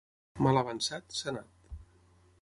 Mal avançat, sanat.